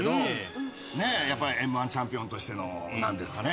ねえやっぱりＭ−１チャンピオンとしてのなんですかね